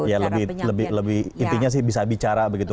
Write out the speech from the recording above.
ya lebih intinya sih bisa bicara begitu